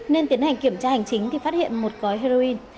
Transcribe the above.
nên tiến hành kiểm tra hành chính thì phát hiện một gói heroin